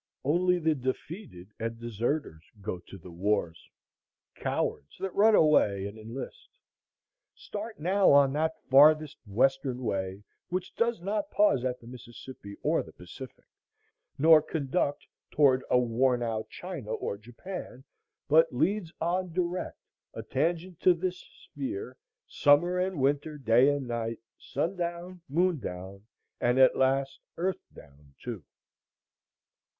Only the defeated and deserters go to the wars, cowards that run away and enlist. Start now on that farthest western way, which does not pause at the Mississippi or the Pacific, nor conduct toward a worn out China or Japan, but leads on direct a tangent to this sphere, summer and winter, day and night, sun down, moon down, and at last earth down too.